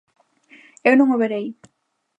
Eu non o verei.